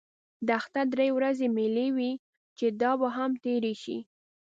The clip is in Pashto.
د اختر درې ورځې مېلې وې چې دا به هم تېرې شي.